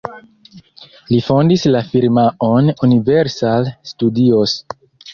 Li fondis la firmaon Universal Studios.